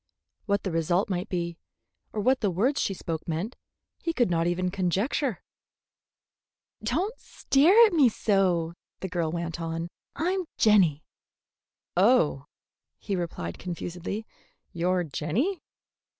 What the result might be, or what the words she spoke meant, he could not even conjecture. "Don't stare at me so," the girl went on. "I'm Jenny." "Oh," he repeated confusedly, "you're Jenny?"